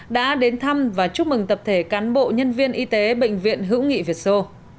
đã đến thăm và chúc mừng tập thể cán bộ nhân viên y tế bệnh viện hữu nghị việt sô